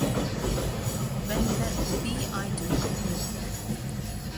When that will be I do not know.